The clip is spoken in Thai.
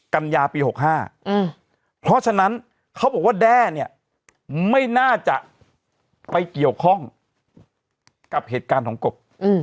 กัญญาปี๖๕เพราะฉะนั้นเขาบอกว่าแด้เนี่ยไม่น่าจะไปเกี่ยวข้องกับเหตุการณ์ของกบ